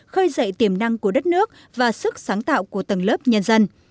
khơi dậy tiềm năng của đất nước và sức sáng tạo của tầng lớp nhân dân